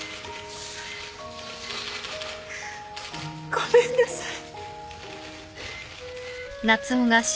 ごめんなさい。